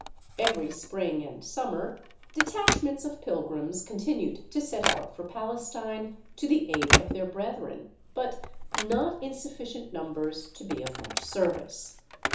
Every spring and summer detachments of pilgrims continued to set out for Palestine to the aid of their brethren, but not in sufficient numbers to be of much service.